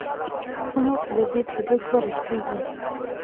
خو مخکې له دې چې لیک ورسیږي.